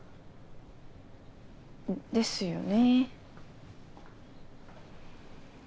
ですよね。